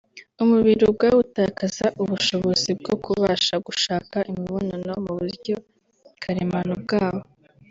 umubiri ubwawo utakaza ubushobozi bwo kubasha gushaka imibonano mu buryo karemano bwawo